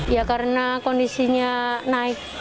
ya karena kondisinya nangis